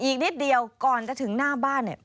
อีกนิดเดียวก่อนจะถึงหน้าบ้านเนี่ย